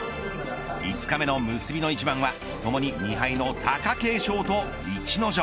５日目の結びの一番はともに２敗の貴景勝と逸ノ城。